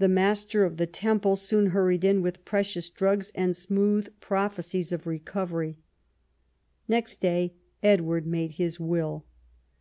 The Master of the Temple soon hurried in with precious drugs and smooth prophecies of recovery. Next day Edward made his will.